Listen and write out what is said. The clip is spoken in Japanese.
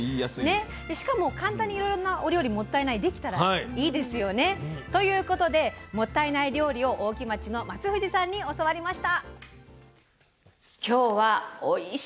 しかも簡単にいろいろなお料理できたらいいですよね。ということでもったいない料理を大木町の松藤さんに教わりました。